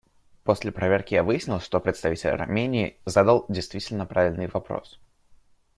После проверки я выяснил, что представитель Армении задал действительно правильный вопрос.